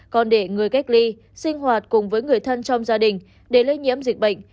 còn để người cách ly sinh hoạt cùng với người thân trong gia đình để lây nhiễm dịch bệnh